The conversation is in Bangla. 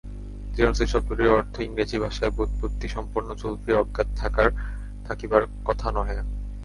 জেনোসাইড শব্দটির অর্থ ইংরেজি ভাষায় ব্যুৎপত্তিসম্পন্ন জুলফির অজ্ঞাত থাকিবার কথা নহে।